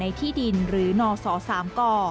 ที่ดินหรือนศ๓ก